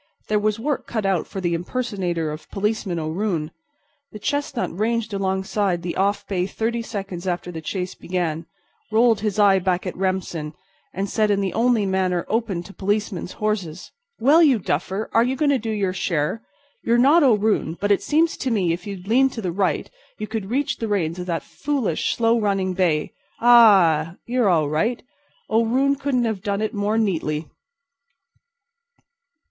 There was work cut out for the impersonator of Policeman O'Roon. The chestnut ranged alongside the off bay thirty seconds after the chase began, rolled his eye back at Remsen, and said in the only manner open to policemen's horses: "Well, you duffer, are you going to do your share? You're not O'Roon, but it seems to me if you'd lean to the right you could reach the reins of that foolish slow running bay—ah! you're all right; O'Roon couldn't have done it more neatly!"